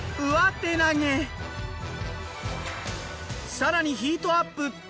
更にヒートアップ！